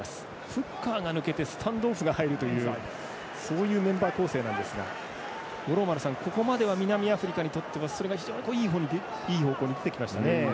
フッカーが抜けてスタンドオフが入るというそういうメンバー構成なんですがここまでは南アフリカにとってはそれが非常にいい方向に出てきましたね。